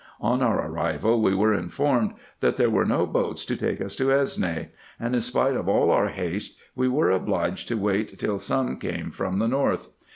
On our arrival, we were informed, that there were no boats to take us to Esne ; and, in spite of all our haste, we were obliged to wait till some came from the North.